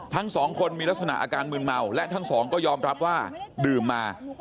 ทั้งสองคนมีลักษณะอาการมืนเมาและทั้งสองก็ยอมรับว่าดื่มมา